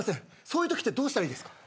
そういうときってどうしたらいいですか？